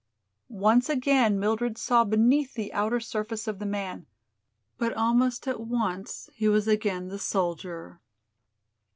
Once again Mildred saw beneath the outer surface of the man, but almost at once he was again the soldier.